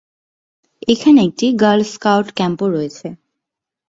এখানে একটি girl scout ক্যাম্পও রয়েছে।